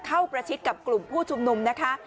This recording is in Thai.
ประชิดกับกลุ่มผู้ชุมนุมนะคะ